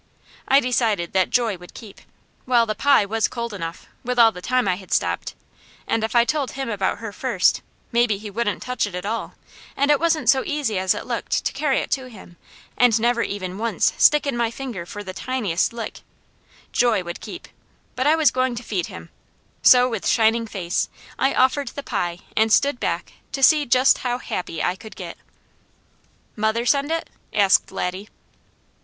I decided that joy would keep, while the pie was cold enough, with all the time I had stopped; and if I told him about her first, maybe he wouldn't touch it at all, and it wasn't so easy as it looked to carry it to him and never even once stick in my finger for the tiniest lick joy would keep; but I was going to feed him; so with shining face, I offered the pie and stood back to see just how happy I could get. "Mother send it?" asked Laddie.